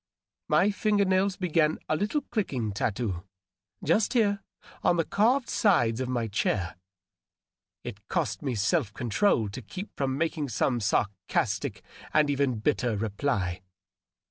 My finger nails began a little clicking tattoo, just here, on the carv^ sides of my chair ; it cost me self control tx) keep from making some sarcastic and even bitter reply.